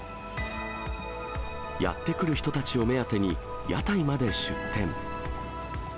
やって来る人たちを目当てに、屋台まで出店。